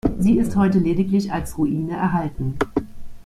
Sie ist heute lediglich als Ruine erhalten.